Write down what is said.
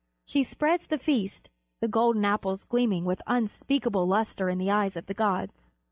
She spreads the feast, the golden Apples gleaming with unspeakable lustre in the eyes of the gods.